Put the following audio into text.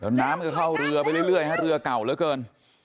น้ำก็เข้าเรือไปเรื่อยฮะเรือเก่าเหลือเกิน